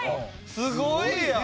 すごいやん！